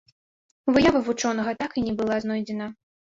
Выява вучонага так і не была знойдзена.